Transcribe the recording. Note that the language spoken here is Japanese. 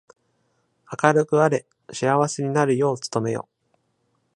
明るくあれ。幸せになるよう努めよ。